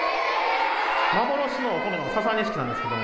幻のお米のササニシキなんですけども。